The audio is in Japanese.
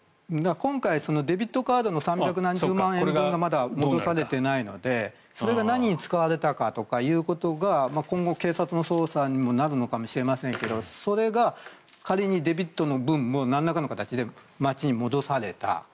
今回デビットカードの３００何十万円分がまだ戻されていないのでそれが何に使われたということが今後、警察の捜査にもなるのかもしれませんがそれが仮にデビット決済の分もなんらかの形で町に戻された。